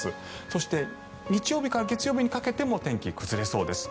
そして日曜日から月曜日にかけても天気、崩れそうです。